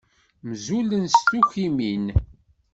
Mzulen s tukkimin.